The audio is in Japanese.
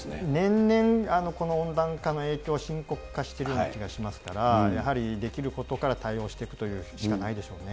年々この温暖化の影響深刻化しているような気がしますから、やはりできることから対応していくということしかないでしょうね。